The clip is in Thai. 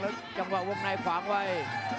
แล้วจังหวะวงในฝางไว้